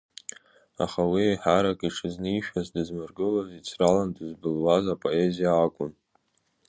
Аха уи еиҳарак иҽызнишәоз, дызмыргылоз, ицралан дызбылуаз апоезиа акәын.